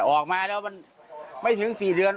ออกมาแล้วมันไม่ถึง๔เดือน